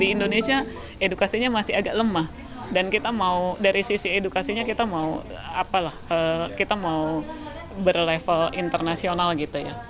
di indonesia edukasinya masih agak lemah dan kita mau dari sisi edukasinya kita mau apalah kita mau berlevel internasional gitu ya